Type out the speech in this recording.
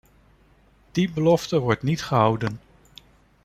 Die belofte wordt niet gehouden.